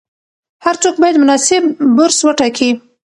هر څوک باید مناسب برس وټاکي.